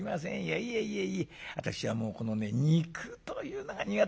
いえいえいえ私はもうこのね肉というのが苦手でございまして。